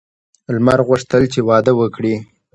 لمر غوښتل چې واده وکړي.